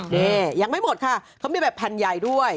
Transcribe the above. นี่ยังไม่หมดค่ะเขามีแบบแผ่นใหญ่ด้วย